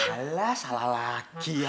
salah salah lagi ya